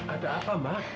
ada apa mak